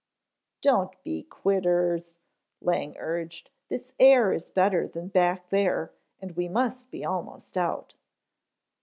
"Don't be quitters," Lang urged. "This air is better than back there and we must be almost out."